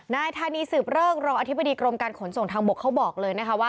นายธานีสืบเริกรองอธิบดีกรมการขนส่งทางบกเขาบอกเลยนะคะว่า